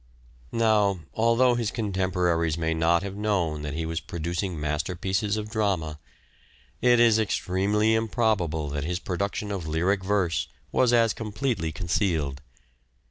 Now, although his contemporaries may not have known that he was producing masterpieces of drama, it is extremely improbable that his production of lyric verse was as completely concealed.